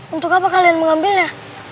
untuk apa kalian mengambilnya